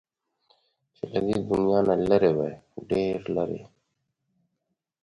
چې له دې دنيا نه لرې وای، ډېر لرې